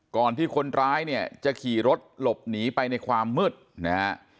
ก่อนที่คนร้ายเนี่ยจะขี่รถหลบหนีไปในความมืดนะฮะ